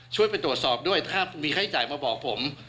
ช่วยไปตรวจสอบด้วยถ้ามีใครจ้างมาบอกผม